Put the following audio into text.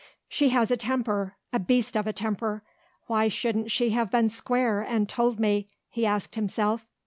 "She has a temper, a beast of a temper. Why shouldn't she have been square and told me?" he asked himself.